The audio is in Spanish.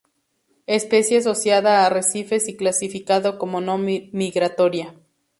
Especie asociada a arrecifes y clasificada como no migratoria.